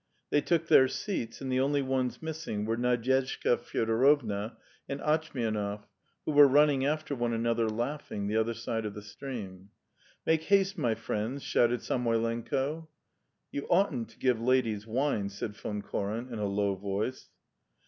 They took their seats, and the only ones missing were Nadyezhda Fyodorovna and Atchmianov, who were running after one another, laughing, the other side of the stream. "Make haste, my friends," shouted Samoylenko. "You oughtn't to give ladies wine," said Von Koren in a low voice.